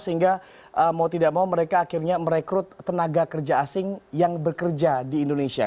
sehingga mau tidak mau mereka akhirnya merekrut tenaga kerja asing yang bekerja di indonesia